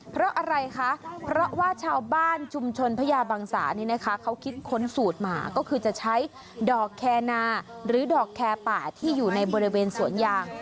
เพราะอะไรคะเพราะว่าชาวบ้านชุมชนพญาบังสานี่นะคะเขาคิดค้นสูตรมาก็คือจะใช้ดอกแคนาหรือดอกแคร์ป่าที่อยู่ในบริเวณสวนยาง